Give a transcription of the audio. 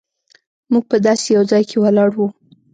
موږ په داسې یو ځای کې ولاړ وو.